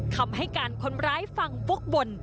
คำให้การคนร้ายฟังวกบ่น